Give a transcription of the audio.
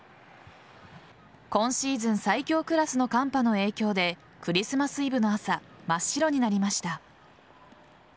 今シーズン最強クラスの寒波の影響でクリスマスイブの朝真っ白になりました。